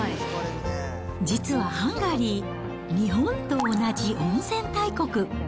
実はハンガリー、日本と同じ温泉大国。